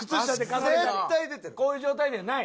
こういう状態ではない？